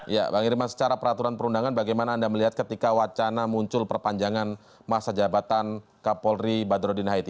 ya bang irman secara peraturan perundangan bagaimana anda melihat ketika wacana muncul perpanjangan masa jabatan kapolri badrodin haiti